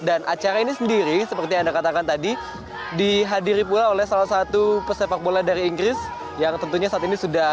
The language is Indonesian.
dan acara ini sendiri seperti yang anda katakan tadi dihadiri pula oleh salah satu pesepak bola dari inggris yang tentunya saat ini sudah